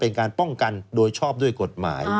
เป็นการป้องกันโดยชอบด้วยกฎหมาย